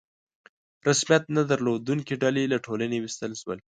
رسمیت نه درلودونکي ډلې له ټولنې ویستل شول.